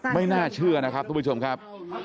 ไม่น่าเชื่อนะครับทุกผู้ชมครับ